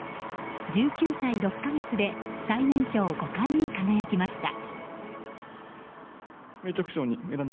１９歳６か月で最年少五冠に輝きました。